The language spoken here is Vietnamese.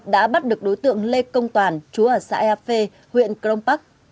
đã bắt được đối tượng lê công toàn chúa ở xã ea phê huyện cron park